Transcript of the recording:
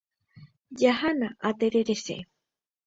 Jahána. Atererese.